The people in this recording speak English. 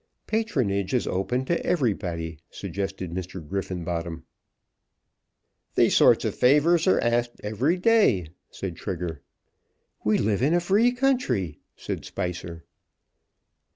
"Patronage is open to everybody," suggested Mr. Griffenbottom. "Those sort of favours are asked every day," said Trigger. "We live in a free country," said Spicer.